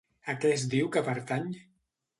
A què es diu que pertany?